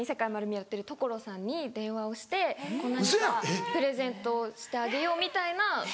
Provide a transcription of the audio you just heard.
やってる所さんに電話をして何かプレゼントしてあげようみたいな。